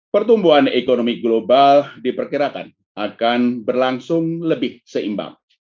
pertumbuhan ekonomi global diperkirakan akan berlangsung lebih seimbang